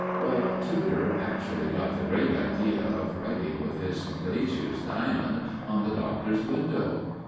Well, Tudor actually got the great idea of writing with his glazier's diamond on the Doctor's window!